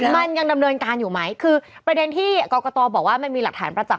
มันยังดำเนินการอยู่ไหมคือประเด็นที่กรกตบอกว่ามันมีหลักฐานประจักษ